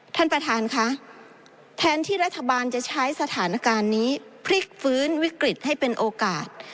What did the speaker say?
ท่านประธานค่ะแทนที่รัฐบาลจะใช้สถานการณ์นี้พลิกฟื้นวิกฤตให้เป็นโอกาส